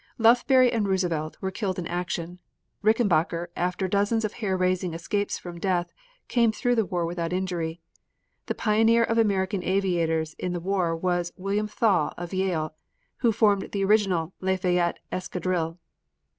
Lufberry and Roosevelt were killed in action. Rickenbacher, after dozens of hair raising escapes from death, came through the war without injury. The pioneer of American aviators in the war was William Thaw of Yale, who formed the original Lafayette Escadrille.